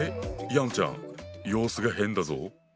ヤンちゃん様子が変だぞ？